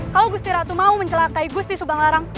kalau gusti ratu mau mencelakai gusti subang larang